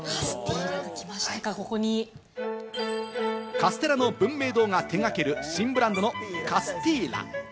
カステラの文明堂が手掛ける新ブランドのカスティーラ。